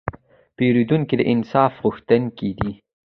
پیرودونکی د انصاف غوښتونکی دی.